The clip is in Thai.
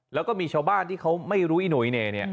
แล้วก็มีชาวบ้านที่ไม่รู้ไอหน่วยน่าเนี่ย